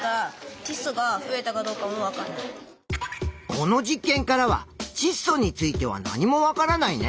この実験からはちっ素については何も分からないね。